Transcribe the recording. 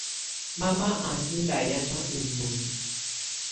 Mama à ndɔ̀ ndà hianà ù nioni.